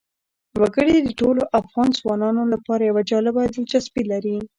وګړي د ټولو افغان ځوانانو لپاره یوه جالبه دلچسپي لري.